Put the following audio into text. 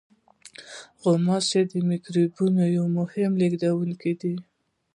غوماشې د میکروبونو یو مهم لېږدوونکی دي.